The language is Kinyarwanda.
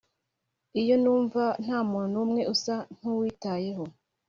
iyo numva ntamuntu numwe usa nkuwitayeho,